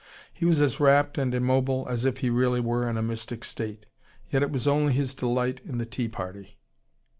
He was as rapt and immobile as if he really were in a mystic state. Yet it was only his delight in the tea party.